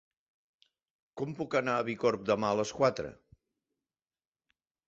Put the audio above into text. Com puc anar a Bicorb demà a les quatre?